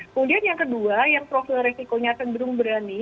kemudian yang kedua yang profil resikonya cenderung berani